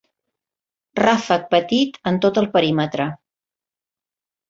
Ràfec petit en tot el perímetre.